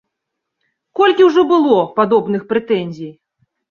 Колькі ўжо было падобных прэтэнзій.